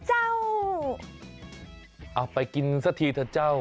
เอาไปกินซะทีเถอะเจ้า